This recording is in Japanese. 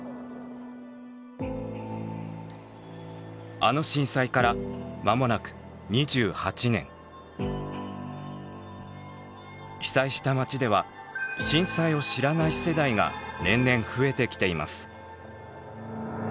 あの震災から被災した街では震災を知らない世代が年々増えてきています。